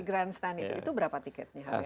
grand stand itu berapa tiketnya harganya